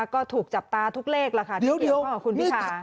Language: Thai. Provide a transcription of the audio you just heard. ก็ถูกจับตาทุกเลขแล้วค่ะที่เกี่ยวกับคุณวิทยา